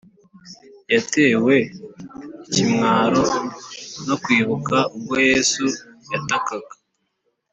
yatewe ikimwaro no kwibuka ubwo yesu yatakaga,